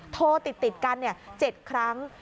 โทรติดกัน๗ครั้ง